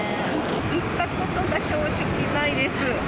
行ったことが正直ないです。